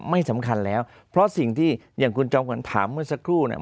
ไม่สำคัญแล้วเพราะสิ่งที่อย่างคุณจอมขวัญถามเมื่อสักครู่เนี่ย